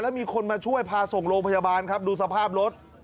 มีคนมาช่วยพาส่งโรงพยาบาลครับดูสภาพรถ